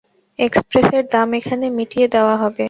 এক্সপ্রেসের দাম এখানে মিটিয়ে দেওয়া হবে।